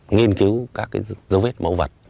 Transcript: nghiên cứu các cái dấu vết mẫu vật